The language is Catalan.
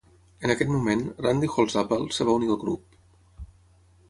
En aquest moment, Randy Holsapple es va unir al grup.